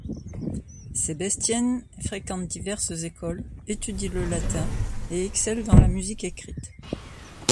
Sebestyén fréquente diverses écoles, étudie le latin et excelle dans la musique écrite.